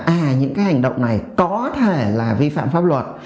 à những cái hành động này có thể là vi phạm pháp luật